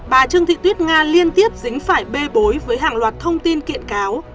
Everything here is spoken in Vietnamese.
bà trương thị tuyết nga liên tiếp dính phải bê bối với hàng loạt thông tin kiện cáo